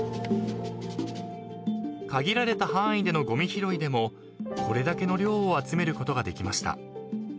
［限られた範囲でのごみ拾いでもこれだけの量を集めることができました］